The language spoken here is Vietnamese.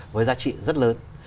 với giá trị rất lớn